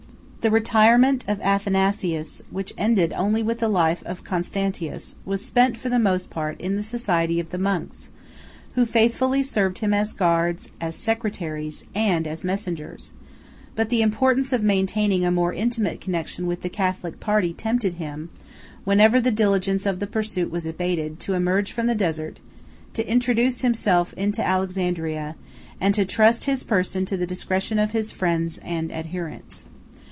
The retirement of Athanasius, which ended only with the life of Constantius, was spent, for the most part, in the society of the monks, who faithfully served him as guards, as secretaries, and as messengers; but the importance of maintaining a more intimate connection with the Catholic party tempted him, whenever the diligence of the pursuit was abated, to emerge from the desert, to introduce himself into Alexandria, and to trust his person to the discretion of his friends and adherents.